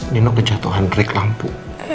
nino kejatuhan rik lampu